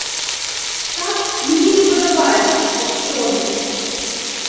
Так, мне не падабаецца, што тут робіцца.